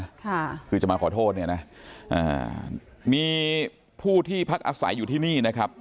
ค่ะคือจะมาขอโทษเนี่ยนะอ่ามีผู้ที่พักอาศัยอยู่ที่นี่นะครับ